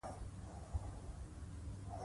زما پلار یو استاد ده او په پوهنتون کې درس ورکوي